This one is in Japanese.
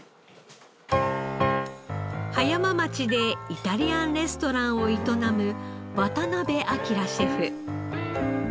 葉山町でイタリアンレストランを営む渡辺明シェフ。